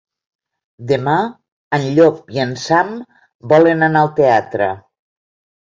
Demà en Llop i en Sam volen anar al teatre.